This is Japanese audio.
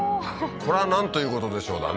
これは「なんということでしょう」だね